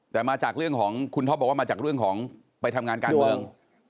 แต่มาจากเรื่องของคุณท็อปบอกว่ามาจากเรื่องของไปทำงานการเมือง